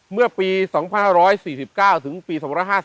เมื่อปี๒๕๔๙ถึงปี๒๕๔